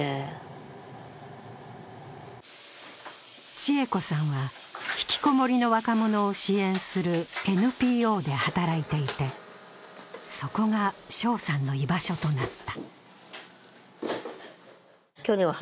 千栄子さんは引きこもりの若者を支援するＮＰＯで働いていてそこが翔さんの居場所となった。